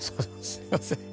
すいません。